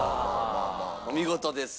お見事です。